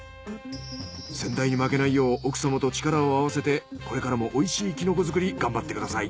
先代に負けないよう奥様と力を合わせてこれからもおいしいキノコ作り頑張ってください！